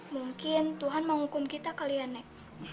mungkin tuhan menghukum kita kali ya nek